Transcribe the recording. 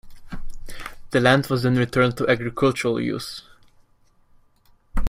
The land was then returned to agricultural use.